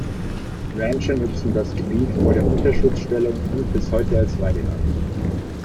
Rancher nutzten das Gebiet vor der Unterschutzstellung und bis heute als Weideland.